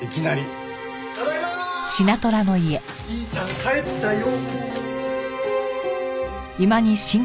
じいちゃん帰ったよ。